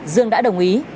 dương đã đồng ý